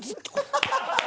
ハハハハ！